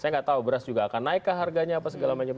saya nggak tahu beras juga akan naikkah harganya apa segala macam